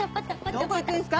どこ行くんすか？